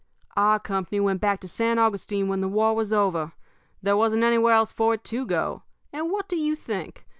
"Our company went back to San Augustine when the war was over. There wasn't anywhere else for it to go. And what do you think?